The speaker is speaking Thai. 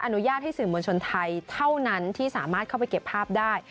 อนุญาตให้สื่อมวลชนไทยเท่านั้นที่สามารถเข้าไปเก็บภาพได้